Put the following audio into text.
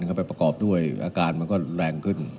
เข้าไปประกอบด้วยอาการมันก็แรงขึ้น